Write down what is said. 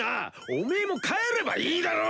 おめえも帰ればいいだろ。